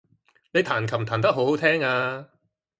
你彈琴彈得好好聽呀